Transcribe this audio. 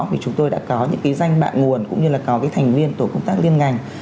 vì chúng tôi đã có những cái danh bạc nguồn cũng như là có cái thành viên tổ công tác liên ngành